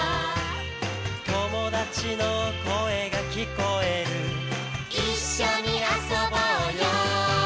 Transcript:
「友達の声が聞こえる」「一緒に遊ぼうよ」